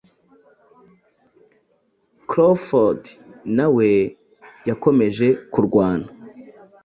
Crawford nawe yakomeje kurwana